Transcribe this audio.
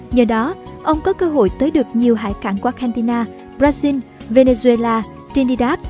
nhờ đó ông có cơ hội tới được nhiều hải cảng quarkantina brazil venezuela trinidad